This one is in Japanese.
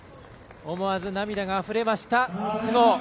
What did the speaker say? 思わず涙があふれました、須郷。